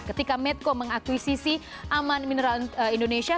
ketika medco mengakuisisi aman mineral indonesia